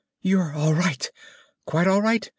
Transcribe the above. "_You're all right? Quite all right?